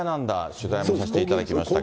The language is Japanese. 取材もさせていただきましたけれども。